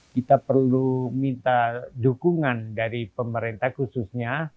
kita perlu minta dukungan dari pemerintah khususnya